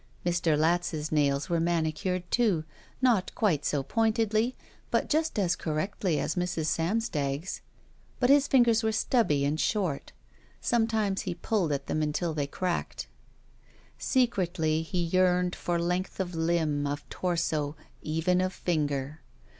Mr. Latz's nails were manicured, too, not quite so pointedly, but just as correctly as Mrs. Slams tag's. But his fingers were stubby and short. Some times he pulled at them until they cracked. Secretly he yearned for length of limb, of torso, even of finger.